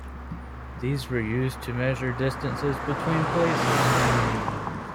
These were used to measure distances between places.